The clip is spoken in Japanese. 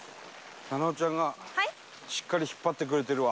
菜々緒ちゃんがしっかり引っ張ってくれてるわ。